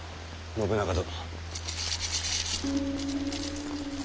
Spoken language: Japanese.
信長殿。